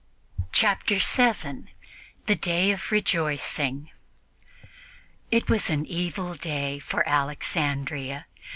Chapter 7 THE DAY OF REJOICING IT was an evil day for Alexandria.